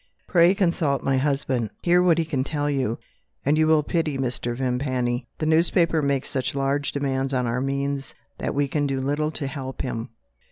Pray consult my husband. Hear what he can tell you and you will pity Mr. Vimpany. The newspaper makes such large demands on our means that we can do little to help him.